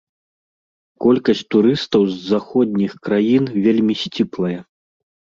Колькасць турыстаў з заходніх краін вельмі сціплая.